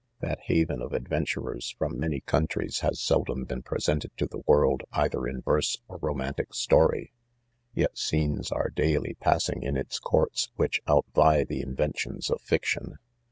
That haven of adventurers from many countries has seldom been presented to the world, either in verse or romantic story ; yet. scenes are daily passing in its courts, which outvie the inven tions of fiction.